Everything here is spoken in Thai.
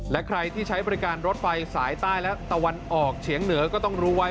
และใครที่ใช้บริการรถไฟสายใต้และตะวันออกเฉียงเหนือก็ต้องรู้ไว้